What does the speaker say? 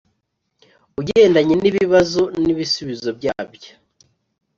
ugendanye nibibazo n’ibisubizo byabyo